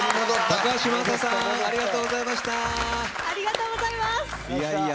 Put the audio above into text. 高橋真麻さんありがとうございました。